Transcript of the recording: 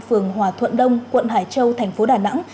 phường hòa thuận đông quận hải châu tp đà nẵng